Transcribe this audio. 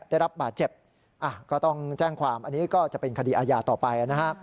ได้รับบาดเจ็บก็ต้องแจ้งความอันนี้ก็จะเป็นคดีอาญาต่อไปนะฮะ